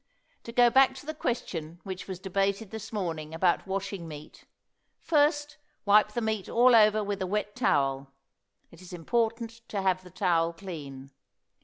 To go back to the question which was debated this morning about washing meat: first, wipe the meat all over with a wet towel. It is important to have the towel clean.